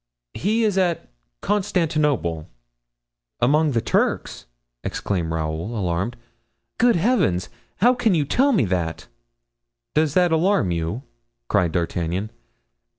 "He is at Constantinople." "Among the Turks!" exclaimed Raoul, alarmed. "Good heavens! how can you tell me that?" "Does that alarm you?" cried D'Artagnan.